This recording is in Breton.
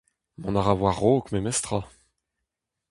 Mont a ra war-raok memes tra.